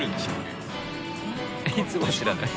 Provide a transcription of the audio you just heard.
いつも知らない。